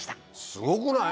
すごくない？